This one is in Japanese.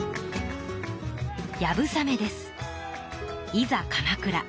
「いざ鎌倉」。